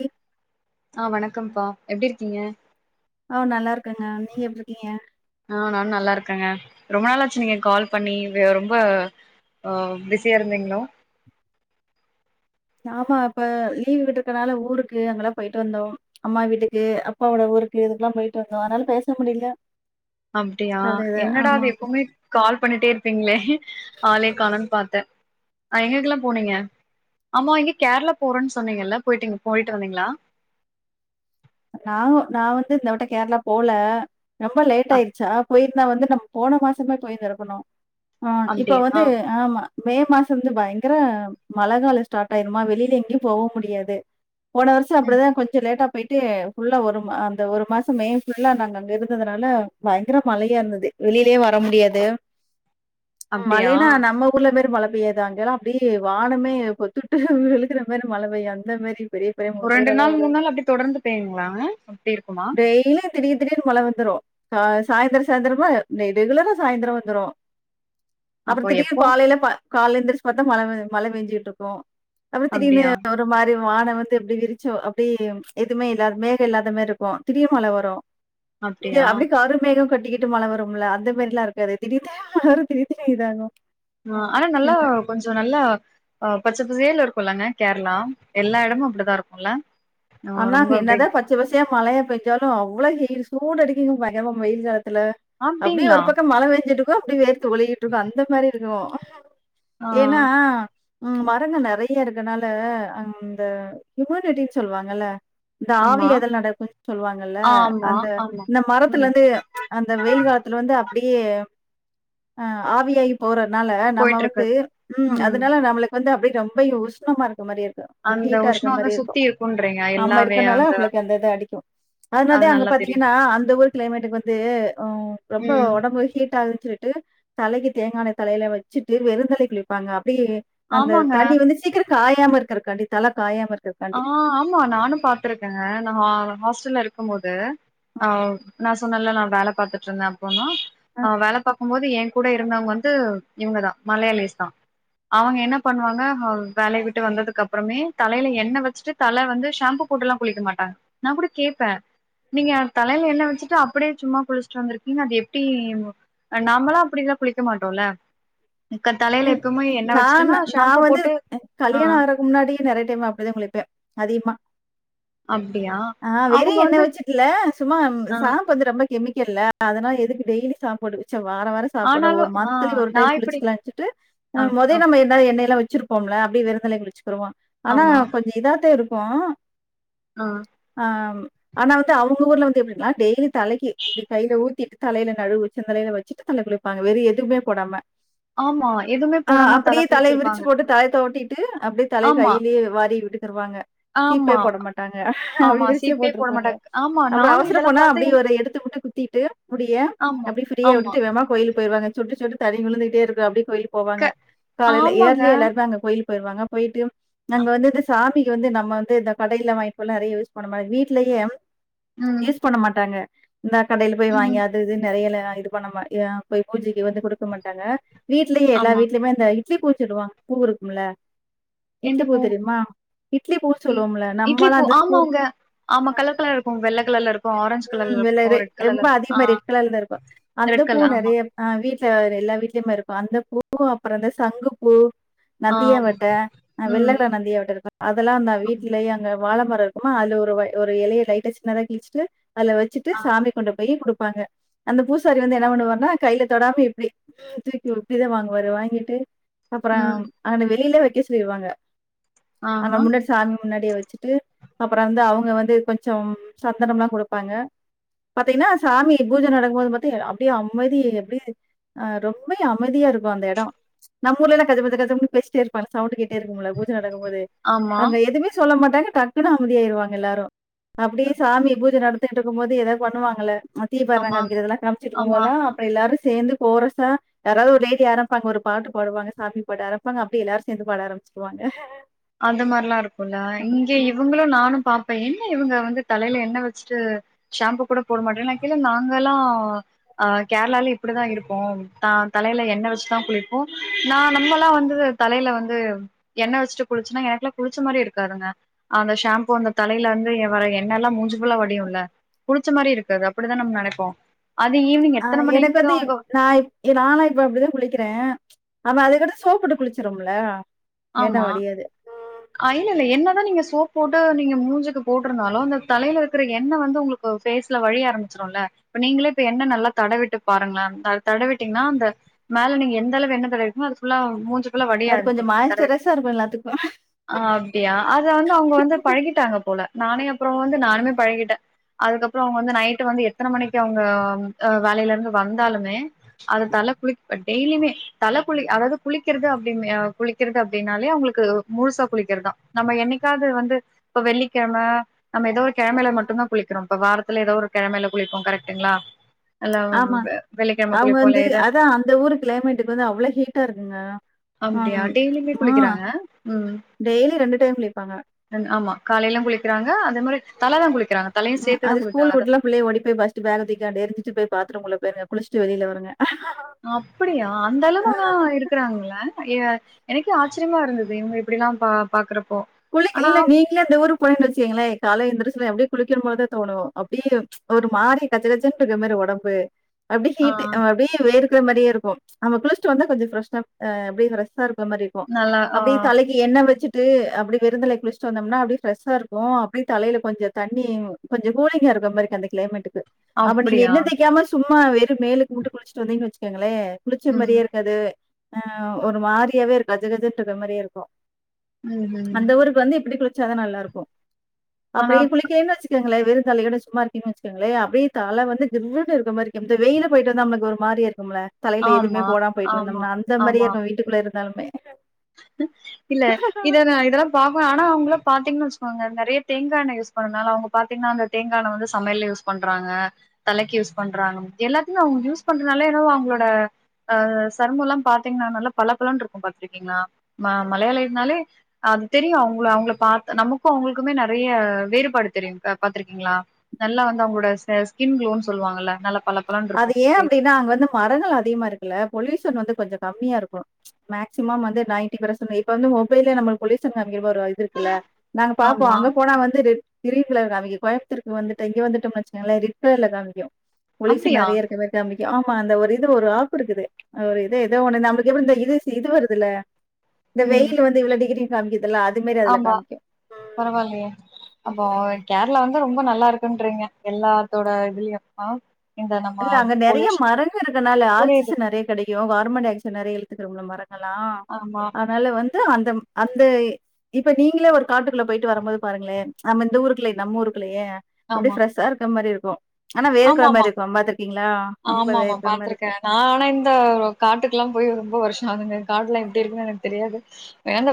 ச ஆஹ் வணக்கம்ப்பா எப்டி இருக்கீங்க ஆ நல்லா இரு ஆ நான் நல்லா இருக்கேங்க ரொம்ப நாளாச்சு நீங்க கால் பண்ணி வே ரொம்ப ஆஹ் பிஸியா இருந்திங்களோ ஆமா இப்ப லீவ் விட்டு இருக்கனால ஊருக்கு அங்கெல்லாம் போயிட்டு வந்தோம் அம்மா வீட்டுக்கு அப்பாவோட ஊருக்கு இதுக்கெல்லாம் போயிட்டு வந்தோம் அதனால பேச முடில அப்டியா என்னடா எப்பவுமே கால் பண்ணிட்டே இருப்பீங்களே ஆலயே காணோன் பாத்தேன் அஹ் எங்கக்கெல்லா போனீங்க ஆமா இங்க கேரளா போறோன்னு சொன்னீங்கல்ல போயிட் போயிட்டு வந்தீங்களா நா நான் வந்து இந்த விட்ட கேரளா போல ரொம்ப லேட் அப் ஆய்டுச்சா போயி நா வந்து நம்ம போன மாசமே போயிருந்துருக்கனு அஹ் இப்ப அப்டியா வந்து ஆ ஆம்மா மே மாசம் வந்து பயங்கர மழ காலம் ஸ்டார்ட் ஆயிருமா வெளில எங்கேயும் போக முடியாது போன வருஷம் ம் அப்பிடித்தான் கொஞ்சம் லேட்டா போயிட்டு ஃபுல்லா ஒரு மா அந்த ஒரு மாசம் மே ஃபுல்லா நாங்க அங்க இருந்ததுனால பயங்கர மழையா இருந்தது வெளியிலயே வர முடியாது அப்டியா மழேனா நம்ம ஊர்ல மாரி மழ பெய்யாது அங்கெல்லா அப்டியே வானமே பொத்துட்டு விழுகுற மாரி மழ பெய்யு அந்த மேரி ஒரு ரெண்டு நாள் மூண் நாள் அப்டி தொடர்ந்து பே வெயிலுங்ளாங்க எப்டி இருக்குமா டெய்லியும் திடீர் திடீர்னு மழ வந்துரு அ சாய்ந்திர சாய்ந்திரமா ரெகுலரா சாய்ந்திர வந்துரு அப்றோ அப்போ எப்போ திடீர்னு காலையில பா கால்ல எந்திரிச்சி பாத்தா மழ பெ மழ பேஞ்சிகிட்ருக்குப அப்றோ திடீர்னு அப்டியா ஒரு மாரி வானோ வந்து எப்டி விரிச்சோ அப்டே இர் எதுமே இல்லாத் மேரி இல்லாத மேர்ருக்கு திடீர்னு மழ வரு இங்க அப்டியா அப்டி காரு மேகம் கொட்டிக்கிட்டு மழ வரும்ல அந்த மேர்ல்லா இருக்காது திடீர்னு மழ வரு திடீர் திடீர்னு இதாகு அ ஆனா நல்லா கொஞ்சோ நல்லா அ பச்ச பசேல்னு இருக்குல்லங்க கேர்ளா எல்லா எடமு அப்டித்தா இருக்குல்ல நா ஆனா ரொம்ப அங்க அப்டி என்னதா பச்ச பச்ச யா மழையே பேஞ்சாலு அவ்ளோ ஹீ சூடடிக்குது பயங்ரமா வெயில் த்துல அப்டியே அப்டிங்களா ஒரு பக்கம் மழ வேஞ்சுட்டு கூப்டு தொலியிட்டுன் அந்த மாரிய் ருவோ ஆ ஏனா ம் மரங்க நறைய இருக்கனால அந்த ஹுமூனிட்டின்னு சொல்லுவாங்க நல்ல இந்த ஆவி ஆமா ஏதல் நடக்கும் சொல்லுவாங்கல்ல ஆமா அந்த ஆமா இந்த மரத்துல ம் இருந்து ப்ச் அந்த வெயில் காலத்துல வந்து அப்டியே அ ஆவியாய் போற னால நம்ம போயிட்டு வந்து இருக்குது ம் அதனால நம்மளுக்கு வந்து அப்படி ரொம்ப யூஸ்சனமா இருக் ஒரு மாரி இருக்கு அந்த ம்ஹீட்டா இருக்க உஷ்ணம் வந்து மாரி சுத்தி இருக்கும் இருக்குன்றீங்க ஆம எல்லாவே இருக்கனால அம்மளுக்கு அந்த இது அடிக்கும் அது அதனதான் அங்க நல்லா தெரியு பாத்தீங்கன்னா அந்த ஊர் கிளைமேட்டுக்கு வந்து து அம் ரொம்ப ம் ஒடம்பு ஹீட் ஆ ஆயிருச்சு டு தலைக்கு தேங்கான்ன தலையில வச்சுட்டு வெருந்தலைக் குளிப்பாங்க அப் ப்டி அந்த ஆமாங்க தண்ணி வந்து சீக்கிரம் காயாம இருக் குருக்காண்டி தல காயம இருக் ஆ இருக்காண்டி ஆமா நானும் பாத்துருக்கேங்க நான் ஹா ஹாஸ்டல்ல இருக்கும் போது ஆ வ் நா ஸ் சொன்னெல்ல நான் வேல பாத்துட்ருந்தேன் போனோ அ வேல பாக்கும் போது இப்ப ஏன் கூட இருந்தங்க வந்து இவங்கதான் மலையாளிஸ் தான் அவங்க என்ன பண்ணுவாங்க அ வேலைய விட்டு வந்ததுக்கு அப்புறமே தலைல என் என்ன வச்சிட்டு தலை வந்து ஷாம்பூ போட்டுல்லாம் குளிக்க மாட்டாங்க நான் கூட கேப்பேன் நீங்க தலைல என்ன வச்சுட்டு அப்படியே சும்மா குளிச்சுட்டு வந்திருக்கீங்க அது எப்டி ஆ நாமளாம் அப்புடிலாம் குளிக்க மாட்டோல்ல ம் நான் ஷாம்பு நான் வந்து போட்டு அ ஆ கல்யாணம் ஆறக்கு முன்னாடியே நறைய டைம் அப்புடிதான் குளிக் டு அதிகமா அப்டியா ஆ வெறு அவங்க என்ன வந்து வச்சுட்டுல துமா ஆ சாப்பு வந்துட்டு ரொம்ப கெம்மிக் இல்ல அதன எதுக் டெய்லி சாம்பு போட்டு வச்சு த வாரோ வாரோ சாப்புடுர ஆனாலு ஒரு ஆ மன்ந்த்லி ஒரு நா டைம் இப்டி குச்சுக்குலாங் ச்சுட்டு அ ஆ முத ஆ நம்ம என்ன எண்ணெல்லாம் வை ச்சிருப்போம்ல அப்டி வெருதலை குளிச்சுகுருவோம் ஆனா ஆமா கொஞ்ச இதாத்தா இருக் போ ஆ ஆ ம் ஆனாவந்து அவுங் உங்க ஊர்ல வந்து எப்டின்னா டெய்லி தலைக்கி ப்டி கைல ஊத்தி தலையில நடுவு உச்சந்தலையில வச்சுட்டு தலை குளிப்பாங்க வேற எதுவுமே போடாம ஆமா எதுவுமே போடாம தல குளிச்சிருப்பாங்க டு அப்டியே தலை ஆமா கைய்லியே வாரி விட்டுட் தருவாங்க சீப்பே ஆமா போட மாட்டாங்க அப்டி ஆமா விரிச்சே சீப்பே போட போட்ருப்பாங்க மாட்டாங்க ஆமா அப்புறம் நானு அவசரோ இதெல்லா போனா பாத்து எனக்கு அப்டியே எடுத்துபுட்டு குத்தீட்டு முடிய ஆமா அப்டியே ப்ரீயா ஆமா வுட்டுட்டு வேமா கோயிலுக்கு போயிருவாங்க சொட்டு சொட்டு தரை விழுந்துட்டே இருக் இது அப்டி. கோயிலுக் க போவாங்க காலைல ஆமாங்க இயர்லி எல்லார்க்குமே அங்க கோயில்க் போயிற்வாங்க போயிட்டு நாங்க வந்துட்டு சாமி இங்க வந்து நம்ம வந்து இந்த கடையில வாய் பொரு ல நிறைய யூஸ் பண்ண மாரி வீட்லயே ம் யூஸ் பண்ண மாட்டாங்க இந்தா கடைல போய் ம் வாங்கியாந்து இது நெறையலனா இது பண்ண மா போய் பூஜைக்கு வந்து குடுக்க மாட்டாங்க வீட்லயே எல்லா ஆமா வீட்லியுமே இந்த இட் லி பூ சொல்வாங்க பூ இருக்கும்ல எந்த இட்லி பூ தெரியுமா? இட்லி பூ இட் சொல்லுவோம்ல இட்லி நம்மலாம் பூ அந்த ஸ்கூல் ஆமாங்க ஆமா கல கலரா இருக்கு வெள்ள கலர்ல இருக் ஹ்ம் வெல்லரு ரெம்ப அதிகமா ரெட் கலர்ல இருக்கு அந்த ரெட் பூ கலர் ஆமா நெறைய ஆஹ் வீட் எல்லார் வீட்லிமே இருக்கு அந்த பூ அப்புரோ இந்த சங்கு பூ ஆமா நந்தியாவட்ட ம் வெள்ளகலர் நந்தியாவட்ட இருக்கு அதெல்லாம் அந்த ஆமா வீட்லயே அங்க வாழ மரோ இருக்குமா அதுல ஒரு ஒரு எலய லைட்டா சின்னதா கிழிச்சிட்டு அதுல வச்சிட்டு ஆ. சாமிக்கு கொண்டு போயி குடு ப்பாங்க அந்த பூசாரி வந்து என்ன பண்ணுவாங்னா கைல தொடாம இப்டி கீழ தூக்கிவுட்டு வாங்குவாரு வாங்கிட்டு அப்புறம் ம் அத வெளியிலே வ க்க சொல்லிடுவாங்க அங்க ஆஹா முன்னாடி சாமி முன்னாடியே வச்சுட்டு அப்ற வந்து அவுங்க வந்து கொஞ்சோ சந்தனம்ல்லா குடு ப்பாங்க பாத்தீங்கன்னா சாமி பூஜ நடக்கும்போது பாத்தா அப்டியே அமைதி அப்படியே ரொம்பயு அமைதியா இருக்கு அந்த எடோ நம்ம ஊர்லலாம் கஜமுஜ கஜமு பேசிடே இருப்பாங்க சவுண்ட கேட் இருக்குமுல்ல பூஜ நடக்கும் போது ஆமா அங்க எதுமே சொல்ல மாட் டாங்க டக்குனு அமைதியாயிருவாங்க எல்லாரு அப்டியே சாமி பூஜ நடந் துகிட்ருக்கும்போது எதாவுது பண்ணுவாங்கல்ல தீபாரதண ஆமா காமிக்கிறதுல்லா ஆமா காமிச்சுட்டுருக்கும்போதுலா அப்ற எல்லாரு சேந்து கோரசா யாராவுது ஒரு லேடி ஆரமிப்பாங்க ஒரு பாட்டு பாடுவாங்க சாமி பாட்டு ஆரமிப்பாங்க அப்டே எல்லாரு சேந்து பாட ஆரமிச்சிருவாங்க அந்த மாரிலா இருக்குல இங்க இவங்ளு நானும் பா இப்ப என்ன இவங்க வந்து தலைல எண்ண வச்சுட்டு ஷாம்பூ கூட போட மாட்டாங்ளா கேட்டா நாங்கெல்லா கேரளால இப்டிதா இருப்போ தலையில எண்ண வச்சுதா குளிப்போ நான் நம்மல்லா வந்து தலையில வந்து எண்ண வச்சுட்டு குளிச்ன்னா எனக்குலா குளிச்ச மாரியே இருக்காதுங்க அந்த ஷாம்பு அந்த தலைலருந்து வற எண்ணல்லா மூஞ்சு ஃபுல்லா வடியுல்ல குளிச்ச மாரியேருக்காது அப்படிதா நம்ம நெனைப்போ அது ஈவினிங் எத்தன ஆஹ் எனக்கு மணிக்கு வந்து அவங்க நான் நானா இப்ப அப்படிதா குளிக்கறேன் ஆமா அதுக்கடு சோப்பிட்டு குளிச்சிரோம்ல ஆமா இல்லெல்ல என்ன தா நீங்க சோப் போட்டு நீங்க மூஞ்சுக்கு போட்ருந்தாலும் அந்ந தலையில இருக்கிற எண்ணெ வந்து உங்களுக்கு ஃபேஸ்ல வழிய ஆரம்பிச்சிரு இல்ல இப்ப நீங்களே இப்ப எண்ணெ நல்லா தடவிட்டு பாருங்களே தடவிட்டீங்கன்னா அந்த மேல நீங்க எந்த அளவு எண்ணெ தடவிருக்கீங்களோ அது ஃபுல்லா மூஞ்சில வழிய அது கொஞ்சம் ஆரம்பிக்கு மாய்ஸ்டரைஸா இருக்கும் எல்லாத்துக்கும். ஆஹ் அப்டியா அத வந்து அவுங்க வந்து பழகிட்டாங்க போல நானே அப்புறம் வந்து நானுமே பழகிட்டேன் அதுக்கப்புறம் அவங்க வந்து நைட்டு வந்து எத்தனை மணிக்கு அவங்க வேலையில இருந்து வந்தாலுமே அதை தலை குளி டெய்லியுமே தலை குளி அதாவது குளிக்கிறது அப்படி கு ளிக்கறது அப்படின்னாலே அவங்களுக்கு முழுசா குளிக்கிறதுதா நம்ம என்னைக்காவது வந்து இப்ப வெள்ளிக்கிழம நம்ம ஏதோ ஒரு கெழமைல மட்டுந்தா குளிக்கறோம் இப்ப வாரத்துல ஏதோ ஒரு கெழமையல குளிப்போ கரெக்டுங்களா இல்ல ஆமா வெள்ளிக்கிழம அவங்க குளிப்போ வந்து இல்ல எதா அதான் அந்த ஊரு கிளைமேட்டுக்கு வந்து அவ்வளவு ஹீட்டா இருக்குங்க உஹம் ே குளிக்கிறாங்க ம் டைம் குளிப்பாங்க. ஆமா காலையெல்லாம் குளிக்கிறாங்க அத மாதி ஹ் அது ஸ்கூல் அத விட்லாம் புள்ளே ஓடி போய்ஸ் பேக தக்கா எரிஞ்சிட்டு போய் பா்த்த ருங்க குளிச்சி வெியில வங்க அப்படியா அந்த அளவுல்லாம் இருக்கறாங்கள எனக்கு ஆச்சரியமா இருந்தது இவங்க எப்படிிலாம் பாக்குற குள்ளங்க இல்ல நீங்களே இந்த ஊர் போயன்னு வச்சீங்களே கால எந்தருச்சு எப்படியடி குளக்கும்போதுதான் தோணும் அப்படியே ஒரு மாறி கச்சை கச்சன்னு இருக்கதாரி உடம்பு அப்படி ஆ ஹீட்டு் அப்படியடி வே மாதிரே இருக்கும் நம் குளிச்சிட்டு வந்தா கொஞ்சம் பிர அப்படி இருக்க மாதிரி இருக்கும் நல்லா ஆ அப்படியே சலைக்கு எண்ணெ வச்சுட்டு அப்படி விருந்தலை குளிச்சிட்டு வந்தோம்னா அப்படி ஃரெஷ்ஷா இருக்கும் அப்படியே தையில கொஞ்ச தண்ணி கொஞ்ச கூலிங்கா இருக்கும்ிற மாதி அந்த கிளைமேட்டுக்கு அப்ப நீங்க அப்படியா என்ன தைக்காம சொல்ல ஆமா வெற மேலக்கு மட்டும் குளிச்சுட்டு வந்தீங்குச்சுக்கங்களே குளிச்ச ம் மாதிரியே இருங்கது ஆஹ் ஒரு மாதாரியாவே இருக்கும் அது கதுட்டு இருக்க மாதிரியே இருக்கும் ம்ஹும் அந்த ஊருக்கு வந்து எப்படி கு ாதான் நல்லா இருக்கும் அப்பே ஆனா இ புள்ளக்குே என்னச்ச இருங்களே வெறும் தலையோ சும்மா இருக்குச்சக்கங்களே அப்பே தலை வந்து இருக்க மாதிரி வெயில போயிட்டு வ நளுக்கு ஒரு மாதிரி இருக்கு தலைய எதுமே ஆமா போட போயிட்டு ஆமா வந்தம்ா அந்த மாதிரி ஆமா இருக்கும் வீட்டுள்ள இரு நமைே இல்ல இதன்ன இத பாப்ப ஆனா அவுங்குள பாத்தீங்ன்னா வெச்சுக்கோங்க நெறைய தேங்காண்ணே யூஸ் பண்றனால அவுங்க பாத்தீங்ன்னா அந்த தேங்காண்ணெ வந்து சமையல்ல யூஸ் பண்றாங்க தலைக்கு யூஸ் பண்றாங்க எல்லாத்திமே அவுங்க யூஸ் பண்றதுனால என்னவோ அவுங்களோட அ சருமல்லா பாத்தீங்ன்னா நல்லா பளப்பளன்ருக்கு பாத்திங் கிங்ளா ம மலையாளி நாலே அதத தெரியு அவுங்கள அவுங்ள பாத்து நமக்கு அவுங்குளுக்குமே நெறைய வேறுபாடு தெரியும் பாத்துருக்கீங்ளா நல்லா வந்து அவுங்களோட ச ஸ்கின் குளோன் சொல்லுவாங்கல்ல நல்லா பளபளன்னு அது இருக்கு ஏ ஃபேஸ் அப்டினா அங் வந்து மரங்கள் அதிக்மாருக்குல்ல பொல்யூஷன் வந்து கொஞ்ச கம்மியா இருக்கு மேக்சிமம் வந்து நைன்ட்டி பர்சன் எய் இப்ப வந்து மொபல்லே நம்ப பொலிசன்னு [unintelligible] நாங்க பாப்போ ஆமா அங்க போனா வந்துது க்ரீன்ல காமிக்கு கோய்ம்ப்த்தூருக் வந்துட்டு இங்க வந்துட்டு மேச் பண்ணுங்ளே ரெட் கலர்ல காமிக்கு து அப்டியா நெறைய இருக்க மாரி காமிக் ஆமா அந்த ஒரு இது ஒரு ஆப்புருக்குது அ ஒரு இது எதோ ஒண்ணு நம்ப்ளுக் எப்படி இந்த இது சி இது வருதுல்ல இந்த ம் வெயிலு வந்து இவ்ளோ டிகிரி [unintelligible] மாரி அதுல ஆமா காமிக்கும். பரவாயில்லயே அப்போ கேர்ளா வந்து ரொம்போ நல்லாருக்குன்றீங்க எல்லாத்தோட இதிலயு அ இல்ல அங்க நெறிய மரங்க இருக்கனால புரியுது ஆக்சிசன் நெறைய கெடைக்கு வா இந்த மா [unintelligible] நெறைய எத்துக்குறவங்ள மற் ஹலா ஆமா ஆனாலு வந் து அந்த ம் அந்த இ இப்ப நீங்ளே ஒரு காட்டுக்குள்ள போயிட்டு வரும்போது பாருங்ளே நம்ம இந்த ஊருக்கில்லை நம்ம ஊருக் பில்லையே அப்டே ஆமா ஃப்ரெஸ்ஜா இருக்குற மாரி இரு கிறோ ஆனா வேறு கொழம்மாரிருக் ஆமாமா பாத்திருக்க இருக்கும். நா ஆனா இந்த காட்டுக்குல்லா போய் ரொம்போ வருஷோ ஆகுது கடுல்லா எப்டி இருக்குன்னு எனக்கு தெரியாது வேண்டா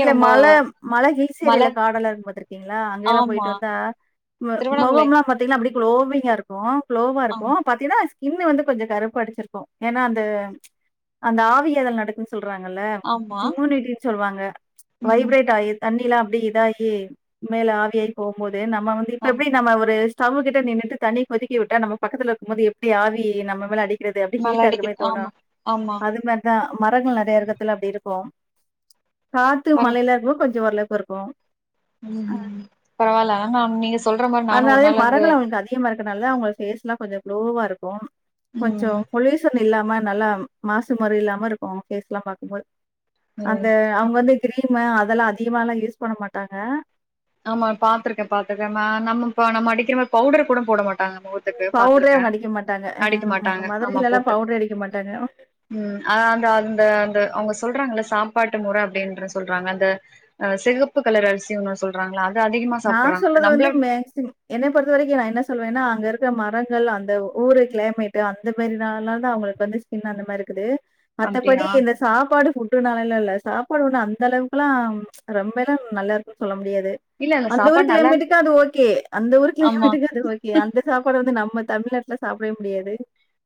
இல்ல மல மழ மழ ஹில்ஸ்சேரில காடெல்லா இருக்கு பாத்திருக்கீங்களா அங்க எல்லா ஆமா போயிட்டு வந்தா ம திருவண்ணாமலை மொகம்ல்லா பாத்தீங்கன்னா அப்டி க்ளோவிங்கா இருக்கூ சுலோவா ஆம் இருக்கும் பாத்தீன்னா இன்னு வந்து கொஞ்சோ கருப்பு அடிச்சிருக்கோ ஏன்னா அந்த அந்த ஆவி அதல் நடக்குன் சொல்றாங்கல்ல ஆமா இமுனிட்டி ருவாங்க ம் வைப்ரேட்டாயிட் தண்ணீலா அப்டியே இதாகி மேல ஆவியாகி போம் போது இது நம்ம வந்து இப்ப ஆமா எப்டி நம்ம ஒரு ஸ்டவ்கிட்ட நின்னுட்டு தண்ணீர் கொதிக்க விட்டா நம்ம பக்கத்துல இருக்கும் போது எப்டி ஆவி நம்ம மேல அடி [unintelligible] றது எப்டி மழ ஹீட் இருக்குற அடிக்குது மாரி தோனு ஆமா ஆமா அது மாரிதா மரங்கள் நெறையா இருக்கத்துல அப்டி இருக்கும் காத்து மலையில [unintelligible] கொஞ்ச வரல [unintelligible] உம் பரவால [unintelligible] நீங்க சொல்ற மாரி நானு ஒரு அதனாலயே நாள் அங்க மரங்கள் அவங்களுக்கு அதிகமா இருக்கனாலதா அவங்க ஃபேஸ்லா கொஞ்சொ லோவா இருக்கோ கொஞ்சொ ம் பொல்யூஷனு இல்லாம நல்லா மாசு மரு இல்லாம இருக்கு அவங்க ஃபேஸ்லா பாார்க்கும்போது அந்த ம் அவங்க வந்து கிரீ [unintelligible] அதெல்லாம் அதிகமாலாம் யூஸ் பண்ண மாட்டாங்க ஆமா பாத்ருக்கே பாத்ருக்கே நா நம்ம நம்ம அடிக்குறோமே பவுடர் கூட போட மாட் அ முகதுக்கு பவுடரே பாத்ருக்கே அவங்க அடிக்க மாட்டாங்க. அ அடிக்க எங்க மாட்டாங்க ஆமா மதுரையிலலாம் போட்டு பவுடரே அடிக்க மாட்டாங்க. உம் அ அந்த அந்த அவங்க சொல்றாங்கல சாப்பாட்டு முறை அப்டின்று சொல்றாங்க அந்த சிகப்பு கலர் அரிசி ஒன்னு சொல் ராங்களால் நா சொல்லது வந்து மேக்சிமம் என்னை பொறுத்த வரைக்கு நா என்ன சொல்வேனா அங்க இருக் இருக்கிற மரங்கள் அந்த ஊரு கிளைமேட்டு அந்த மேரி நா ல தா அவங்களுக்கு வந்து ஸ்கின் அந்த மாரி இக்குது மத்தபடி அப்டியா இந்த சாப்பாடு ஃபுட்டுனாலல்ல இல்ல சாப் போடனு தா அந்த அளவுக்குலா ச் ரொம்பல்லா நல்லா இருக்குனு சொல்ல முடியாது இல்ல இல்ல அந்த ஊரு சாப்பாடு நல்லா கிளைமேட்டுக்கு அது ஓகே அந்த ஊரு ஆமா கிளைமேட்டுக்கு அது ஓகே அந்த சாப்பாடு வந்து நம்ம நம்ம தமிழ்நாட்டுல சாப்பிடவே முடியாது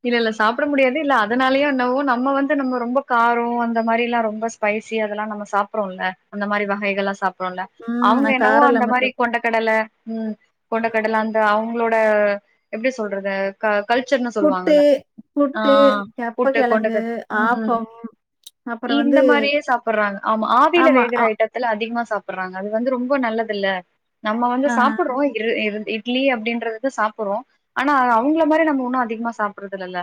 இல்ல இல்ல சாப்பிட முடியாது இல்ல அதனாலயோ என்னவோ நம்ம வந்து நம்ம ரொம்ப காரோ அந்த மாரில ரொம்ப ஸ்பைசி அதெல்லா நம்ம சாப்றோல அந்த மாரி வகைகள்ல்லா சாப் அப்ரோல ம் அவங்க நான் என்னவோ காரம் அந்த இல்லாம மாரி சாப் கொண்ட கடல உம் கொண்டை கடல அந்து அவங்களோட எப்படி சொல்றது க கல்ச்சர் புட்டு தருவாங்கல அ புட்டு, கப்ப புட்டு கிழங்கு, கொண்டக்கட உம் ஆப்பம், அப்புறம் வந்து இந்த மாரியே சாப்பிடுறாங்க ஆமா ஆவில ஆமா. வேகுற அ ஐட்டத்துல அதிகமா சாப் ப்றாங்க அது வந்து ரொம்பொ நல்லதுல நம்ம வந்து ஆ சாப்புட்றோ இரு இருந் ட் ட்லி அப்படின்றது சாப்புறோ ஆனா அவங்க மாதிரி நம்ம ஒன்னு அதிகமா சாப்பறதுல்லல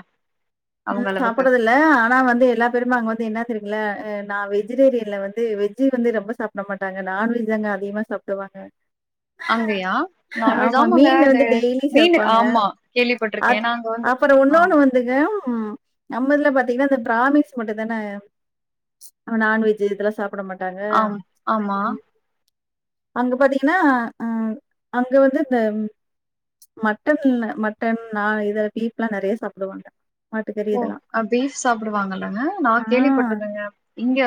உம் சாப்புறதில்ல ஆனா வந்து எல்லா பேருமே அங்க வந்து என்ன தெரியுல அ நா வெஜிடேரியன்ல வந்து வெஜ் வந்து ரொம்ப சாப்பிட மாட்டாங்க நான்வெஜ் தாங்க அதிகமா சாப்பிடுவாங்க அங்கயா நான்வெஜ் ஆமா ஆமாங்க மீன் வந்து [unintelligible] டெய்லி மீனு சேப்பாங்க. ஆமா கேள்விப்பட்டிருக்கே அது ஏனா அங்க வந்து அப்புறம் ஆஹ இன்னொன்னு வந்துங்க, ம் நம்மதுல பாத்தீங்கன்னா இந்த பிராமின்ஸ் மட்டு தானே நான்வெஜ் இதெல்லா சாப் ப்டமாட்டாங்க ஆம் ஆமா. அங்க பாதீங்கனா அஹ் அங்க வந்து இந்த மட்டன் மட்டன் ந இத பீப்லா நெறைய சாப்பிடுவாங்க மாட்டுக்கறி ஓ இதெல்லாம். அபீஃப் சாப்பிடுவாங்கல்லங்க நா ஆ, கேள்விப்பட்டிருக்கேங்க இங்க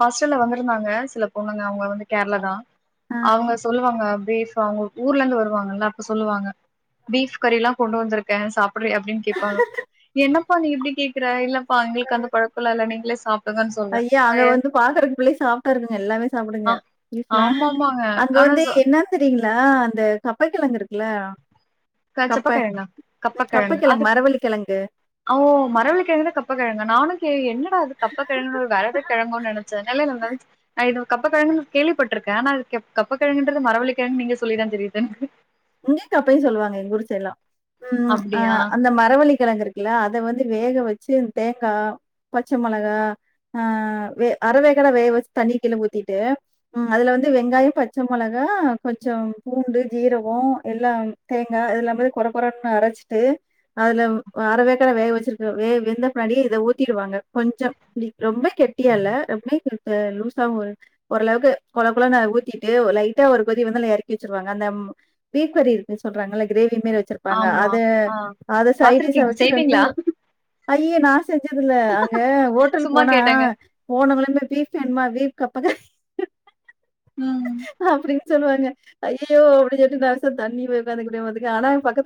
ஹாஸ்டல்ல வந்து இருந்தாங்க சில பொண்ணுங்க அவங்க வந்து கேரளா தான். ஆ அவங்க சொல்லுவாங்க. பீஃப் அவங்க ஊர்ல இருந்து வருவாங்கல்ல அப்ப சொல்லுவாங்க பீஃப் கறில்லாம் கொண்டு வந்திருக்கேன் சாப்ப அ அப்படின்னு கேட்பாங்க? என்னப்பா நீ இப்டி கேக்குற இல்ல பழக்கல்லா நீங்களே சாப்டுங்கன்னு சொல்வே ஐயா அங்க வந்து பாக்குறக்கு பிள்ளை சாப்ட்டா இருக்குங்க எல்லாமே ஆ சாப்டுங்க பிஃப்லாம் ஆமாமாங்க அங்க ஆனா வந்து சொ என்னன் தெரில அந்த கப்பை கிழங்கு இருக்குல்ல கப்ப செப்பக்கிழங்கா கப்பை கப்பக்கிழங்கு அது கிழங்கு, மரவள்ளி கிழங்கு. ஓ மரவல்லி கிழங்குதா கப்ப கப்பக்கிழங்க நானும் கே என்னடா அது கப்ப கிழங்கு ஒரு வத கழங்கன்னு நினைச்சதுன இது கப்பக்கழங்கு கேள்ப்பட்டிருக்கேன் ஆனாது கப்பக்கிங்கன்றது மரவள்ளிக்க கழங்கு நீங்க சொல்லிதான் தெரியுது எனக்கு. உங்க அப்பையும் சொல்லுவாங்க எ குூருசை எல்லாம். உம் அப்டியா ஆஹ் அந்த மரவழ கிழங்கு இருக்கு அதை வந்து வேக வச்சு தேங்காய் பச்சை மிளகாஹ அரைவே கடை வேக வச்சு தண்ணி கீழ ஊத்திட்டு அதுல வந்து வெங்காயம் பச்சை மிளகா கொஞ்சம் பூண்டு ஜீரம் ப்ப எல்லாம் தேங்காய் இது எல்லாம் போி குறை குறு அரைச்சிட்டு அதுல அறவேக்கட வேக வச்சிருக்க வே வெந்த பின்னாடி இதை ஊத்திடுவாங்க. கொஞ்சம் ரொம்ப கெட்டியால ரொம்ப லூஸாவும் ஓரளவுக்கு குழ குள ந ஊத்திட்டு லைட்டா ஒரு கொதி வந்து நல்ல இறக்கி வச்சருவாங்க அந்த பீக் வரி இருக்குு சொல்றாங்கல்ல கிரேவி வச்சிருப்பாங்க ஆமா ஆ சை பாத்துருக்கீங்க வச்சு ரெண்ட செய்வீங்களா ஐய நான் செஞ்சதுல அங்க ஹோட்டல் சும்மா போனா கேட்டேங்க போனவமே பீ கப்பக்க ம் அப்படி சொல்லுவாங்க யோ அப்படி சொேட்டு தான் தண்ணி போக்கரியது ஆனா பக்கத்து